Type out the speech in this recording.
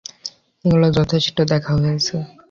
এগুলো যথেষ্ট দেখা হয়েছে।